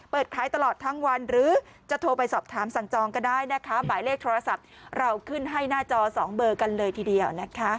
เปิดขายตลอดทั้งวันหรือจะโทรไปสอบถามสั่งจองก็ได้นะคะหมายเลขโทรศัพท์เราขึ้นให้หน้าจอ๒เบอร์กันเลยทีเดียวนะคะ